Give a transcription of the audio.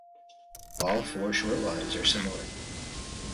All four short lines are similar.